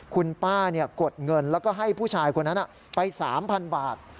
คุณป้ากดเงินแล้วก็ให้ผู้ชายคนนั้นไป๓๐๐๐บาท